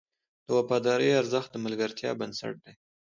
د وفادارۍ ارزښت د ملګرتیا بنسټ دی.